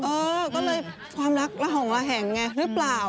เออก็เลยความรักละห่องระแหงไงหรือเปล่า